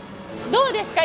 どうですか？